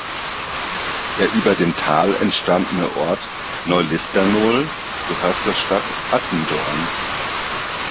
Der über dem Tal entstandene Ort Neu-Listernohl gehört zur Stadt Attendorn.